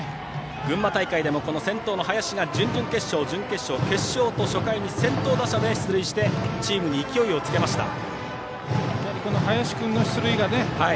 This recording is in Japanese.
群馬大会でも先頭の林が準々決勝、準決勝、決勝と初回に先頭打者で出塁してチームに勢いをつけました。